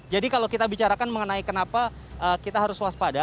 jadi kalau kita bicarakan mengenai kenapa kita harus waspada